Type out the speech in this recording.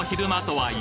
はい。